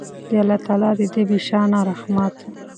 د الله تعالی د دې بې شانه رحمت